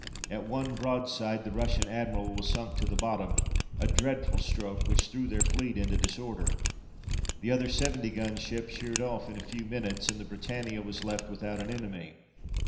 At one broadside the Russian Admiral was sunk to the bottom, a dreadful stroke, which threw their fleet into disorder. The other 70 gun ship sheered off in a few minutes, and the Britannia was left without an enemy.